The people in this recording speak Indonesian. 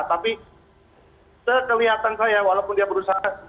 tapi sekelihatan saya walaupun dia berusaha